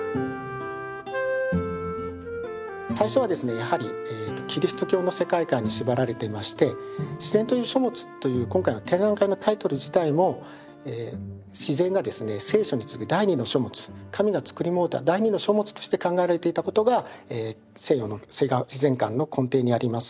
最初はですねやはりキリスト教の世界観に縛られてまして「自然という書物」という今回の展覧会のタイトル自体も自然がですね聖書に次ぐ第２の書物神が創りもうた第２の書物として考えられていたことが西洋の自然観の根底にあります。